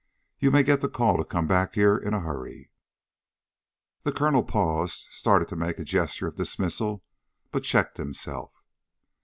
You may get the call to come back here in a hurry." The colonel paused, started to make a gesture of dismissal, but checked himself.